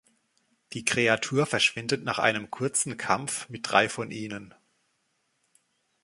Die Kreatur verschwindet nach einem kurzen Kampf mit drei von ihnen.